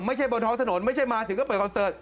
บนท้องถนนไม่ใช่มาถึงก็เปิดคอนเสิร์ต